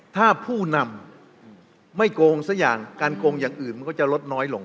ถ้าผู้นำไม่โกงสักอย่างการโกงอย่างอื่นมันก็จะลดน้อยลง